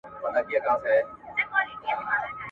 د خوني کونج کي یو نغری دی پکښي اور بلیږي.